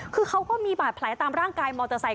คือเขาก็มีบาดแผลตามร่างกายมอเตอร์ไซค